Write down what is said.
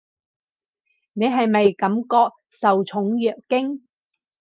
你係咪感覺受寵若驚？